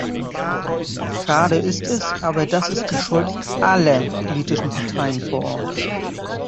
Schade ist es, aber das ist die Schuld aller politischen Parteien vor Ort.